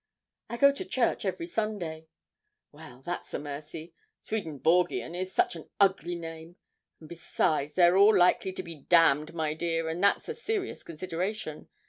'I go to church every Sunday.' 'Well, that's a mercy; Swedenborgian is such an ugly name, and besides, they are all likely to be damned, my dear, and that's a serious consideration.